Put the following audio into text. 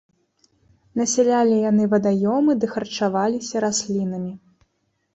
Насялялі яны вадаёмы ды харчаваліся раслінамі.